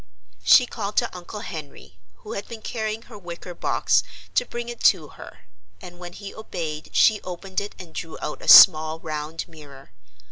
She called to Uncle Henry, who had been carrying her wicker box, to bring it to her, and when he obeyed she opened it and drew out a small round mirror.